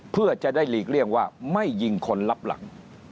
เพื่อจะได้หลีกเลี่ยงว่าไม่ยิงคนรับหลัง